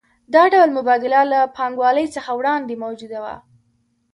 دا ډول مبادله له پانګوالۍ څخه وړاندې موجوده وه